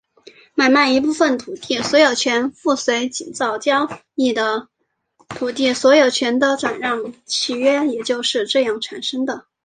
买卖一部分土地所有权附随井灶交易的土地所有权的转让契约也就是这样产生的。